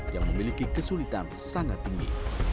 yang memiliki kesulitan sangat tinggi